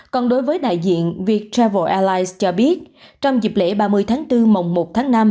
còn đối với đại diện viet travel allies cho biết trong dịp lễ ba mươi tháng bốn mồng một tháng năm